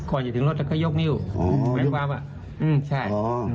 ก่อนจะถึงรถแล้วก็ยกนิ้วหมายความว่าอืมใช่